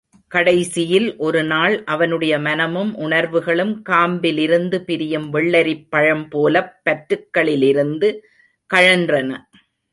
கடைசியில் ஒரு நாள், அவனுடைய மனமும் உணர்வுகளும் காம்பிலிருந்து பிரியும் வெள்ளரிப் பழம் போலப் பற்றுக்களிலிருந்து கழன்றன.